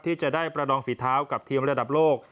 ที่จะได้ประนองฝีเท้ากับทีมระดับโลก